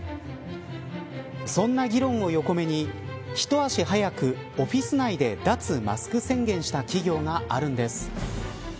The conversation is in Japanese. そんな議論を横目にひと足早く、オフィス内で脱マスク宣言した企業があるんです。